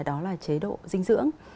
đó là chế độ dinh dưỡng